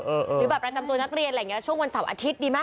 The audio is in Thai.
หรือแบบประจำตัวนักเรียนช่วงวันเสาร์อาทิตย์ดีมั้ย